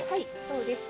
そうです。